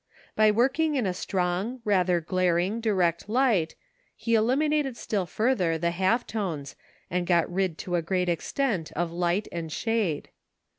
By working in a strong, rather glaring, direct light, he eliminated still further the half tones, and got rid to a great extent of light and shade.